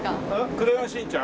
『クレヨンしんちゃん』？